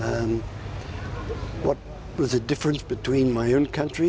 นายจะสัมพันธ์การในคุณส่วนคุ้มมากของม